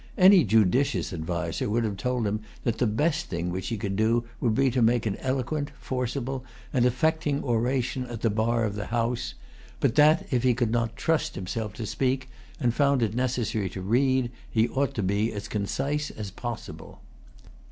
Any judicious adviser would have told him that the best thing which he could do would be to make an eloquent, forcible, and affecting oration at the bar of the House; but that, if he could not trust himself to speak, and found it necessary to read, he ought to be as concise as possible.